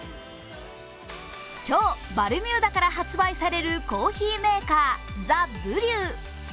今日、バルミューダから発売されるコーヒーメーカー、ＴｈｅＢｒｅｗ。